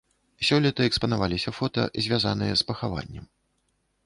Сёлета экспанаваліся фота, звязаныя з пахаваннем.